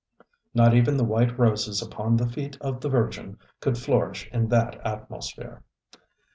Not even the white roses upon the feet of the Virgin could flourish in that atmosphere.